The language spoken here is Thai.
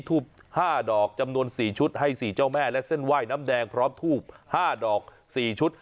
ทูบห้าดอกจำนวนสี่ชุดให้สี่เจ้าแม่และเส้นไหว้น้ำแดงพร้อมทูบห้าดอกสี่ชุด